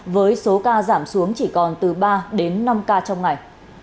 với số ca giảm xuống chỉ còn từ ba đến năm ca trong ngày